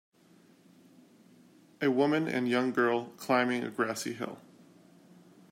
A woman and young girl climbing a grassy hill.